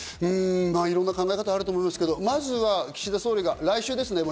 いろんな考え方があると思いますけど、まずは岸田総理が来週ですね。